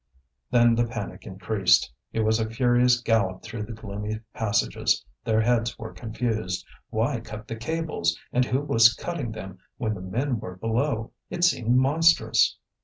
Then the panic increased. It was a furious gallop through the gloomy passages. Their heads were confused. Why cut the cables? And who was cutting them, when the men were below? It seemed monstrous.